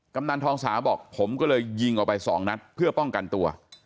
กำนันทองสาวบอกผมก็เลยยิงออกไปสองนัดเพื่อป้องกันตัว